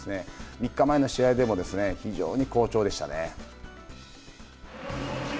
３日前の試合でも非常に好調でしたね。